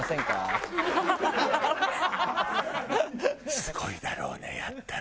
すごいだろうねやったら。